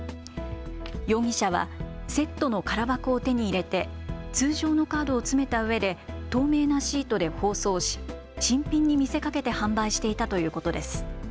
容疑者はセットの空箱を手に入れて通常のカードを詰めたうえで透明なシートで包装し新品に見せかけて販売していたということです。